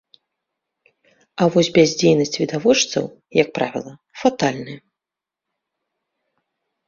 А вось бяздзейнасць відавочцаў, як правіла, фатальная.